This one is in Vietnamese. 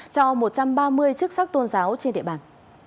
cho một trăm ba mươi chức sắc tôn giáo trên địa bàn